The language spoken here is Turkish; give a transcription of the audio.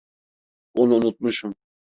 Onu unutmuşum.